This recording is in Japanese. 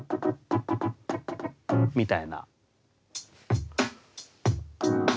みたいな。